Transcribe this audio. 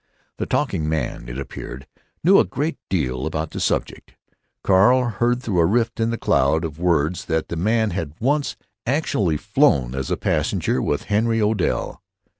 The talking man, it appeared, knew a great deal about the subject. Carl heard through a rift in the cloud of words that the man had once actually flown, as a passenger with Henry Odell!